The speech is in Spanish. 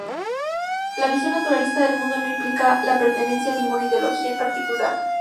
La visión naturalista del mundo no implica la pertenencia a ninguna ideología en particular.